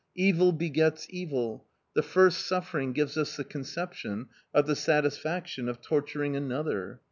Evil begets evil; the first suffering gives us the conception of the satisfaction of torturing another.